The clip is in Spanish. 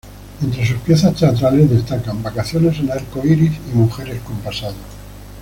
Entre sus piezas teatrales destacan "Vacaciones en Arco Iris" y "Mujeres con pasado".